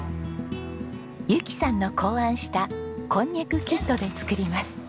由紀さんの考案したこんにゃくキットで作ります。